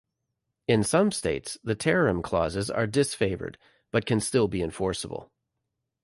In some states, in terrorem clauses are disfavored, but can still be enforceable.